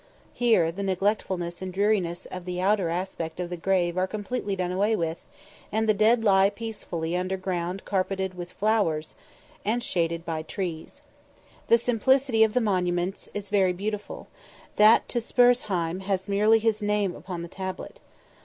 Here the neglectfulness and dreariness of the outer aspect of the grave are completely done away with, and the dead lie peacefully under ground carpeted with flowers, and shaded by trees. The simplicity of the monuments is very beautiful; that to Spurzheim has merely his name upon the tablet.